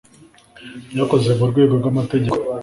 Byakozwe mu urwego rw’ amategeko